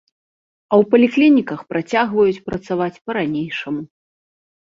А ў паліклініках працягваюць працаваць па-ранейшаму.